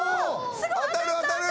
当たる当たる！